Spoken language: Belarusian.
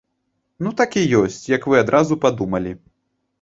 Ну так і ёсць, як вы адразу падумалі.